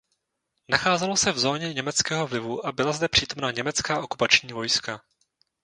Nacházelo se v zóně německého vlivu a byla zde přítomna německá okupační vojska.